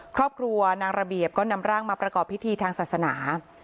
ครอบครัวนางระเบียบก็นำร่างมาประกอบพิธีทางศาสนา